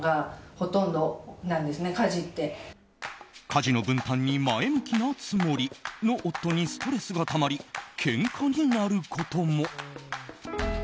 家事の分担に前向きなつもりな夫にストレスがたまりけんかになることも。